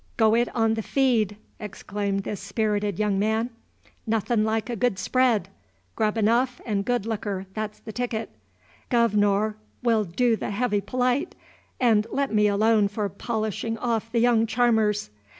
"Go it on the feed!" exclaimed this spirited young man. "Nothin' like a good spread. Grub enough and good liquor, that's the ticket. Guv'nor'll do the heavy polite, and let me alone for polishin' off the young charmers."